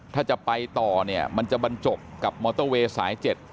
ถ้าจะไปต่อเนี่ยมันจะบรรจบกับมอเตอร์เวย์สาย๗